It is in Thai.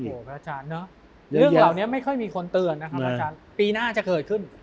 เรื่องเหล่านี้ไม่ค่อยมีคนเตือนนะครับปีหน้าจะเกิดขึ้น